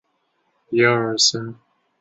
湖广乡试第八十四名。